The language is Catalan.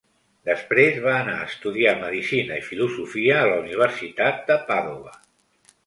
Després va anar a estudiar medicina i filosofia a la Universitat de Pàdova.